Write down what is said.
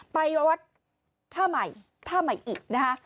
ไปวัดท่าไหมท่าไหมอินะฮะ